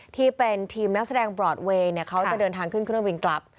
ที่เป็นทีมนักแสดงบรอดเวย์เขาจะเดินทางขึ้นเครื่องบินกลับ